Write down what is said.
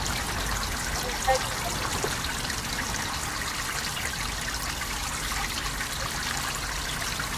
aliyetajwa na bunge kama waziri mkuu na anasema yeye ndiye msimamizi halali wa nchi hadi uchaguzi ufanyike